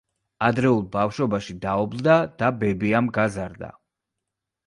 ადრეულ ბავშვობაში დაობლდა და ბებიამ გაზარდა.